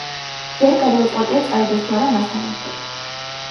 ვერ გადაუწყვეტია წავიდეს თუ არა მასთან ერთად.